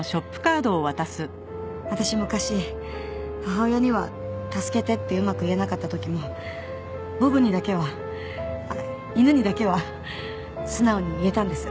私昔母親には「助けて」ってうまく言えなかった時もボブにだけはあっ犬にだけは素直に言えたんです。